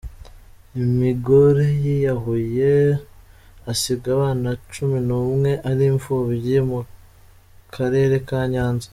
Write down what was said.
Umugore Yiyahuye asiga abana Cumi Numwe ari imfubyi Mukarere kanyanza